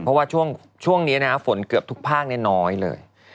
เพราะว่าช่วงนี้ฝนเกือบทุกภาคน้อยเลย